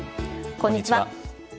こんにちは。